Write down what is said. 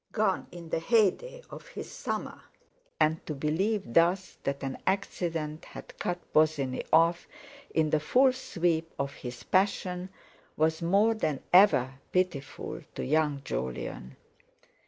Gone in the heyday of his summer—and to believe thus that an accident had cut Bosinney off in the full sweep of his passion was more than ever pitiful to young Jolyon.